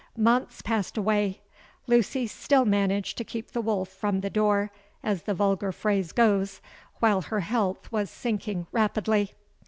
Months passed away—Lucy still managing to keep the wolf from the door, as the vulgar phrase goes; while her health was sinking rapidly.